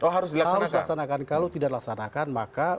harus dilaksanakan kalau tidak dilaksanakan maka